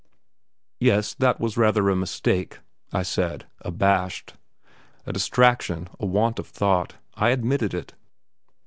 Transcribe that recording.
"Yes, that was rather a mistake," I said, abashed a distraction, a want of thought; I admitted it.